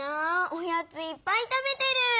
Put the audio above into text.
おやついっぱい食べてる！